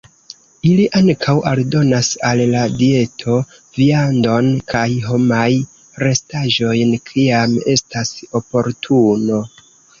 Ili ankaŭ aldonas al la dieto viandon kaj homaj restaĵojn kiam estas oportuno.